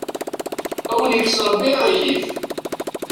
Ad awen-ikkes Rebbi aɣilif.